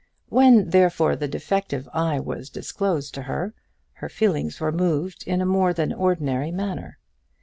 When, therefore, the defective eye was disclosed to her, her feelings were moved in a more than ordinary manner.